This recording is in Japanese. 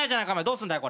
どうすんだよ？